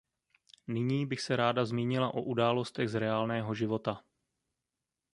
Nyní bych se ráda zmínila o událostech z reálného života.